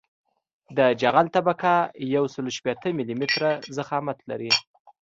د جغل طبقه یوسل شپیته ملي متره ضخامت لري